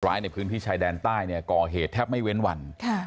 ร้ายในพื้นที่ชายแดนใต้เนี่ยก่อเหตุแทบไม่เว้นวัน